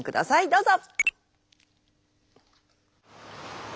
どうぞ！